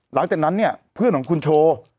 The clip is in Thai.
หลังจากนั้นเนี่ยเพื่อนของคุณโชว์